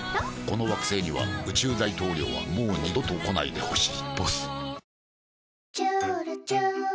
この惑星には宇宙大統領はもう二度と来ないでほしい「ＢＯＳＳ」